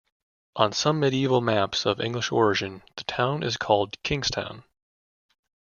On some medieval maps of English origin the town is called Kingstown.